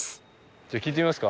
じゃあ聞いてみますか？